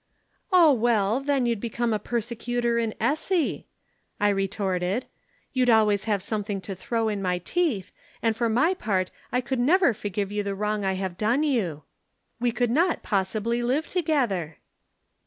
"'Oh, well, then you'd become a persecutor in esse,' I retorted. 'You'd always have something to throw in my teeth, and for my part I could never forgive you the wrong I have done you. We could not possibly live together.'